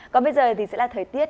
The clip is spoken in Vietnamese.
còn bây giờ thì sẽ là thời tiết